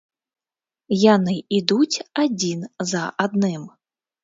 Яны ідуць адзін за адным.